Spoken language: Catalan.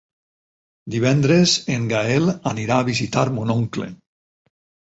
Divendres en Gaël anirà a visitar mon oncle.